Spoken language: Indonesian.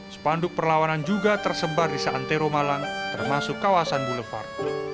sepanduk perlawanan juga tersebar di santero malang termasuk kawasan boulevard